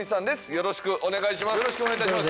よろしくお願いします